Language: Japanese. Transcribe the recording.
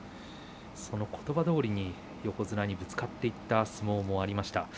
そのことばどおりに横綱にぶつかっていった相撲もありました。